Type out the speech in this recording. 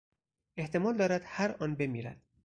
احتمال دارد هر آن بمیرد.